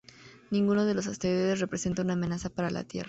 Ninguno de los asteroides representa una amenaza para la Tierra.